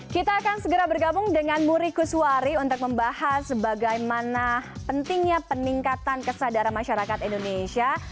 kita akan segera bergabung dengan muri kuswari untuk membahas bagaimana pentingnya peningkatan kesadaran masyarakat indonesia